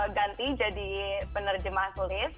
ganti jadi penerjemah tulis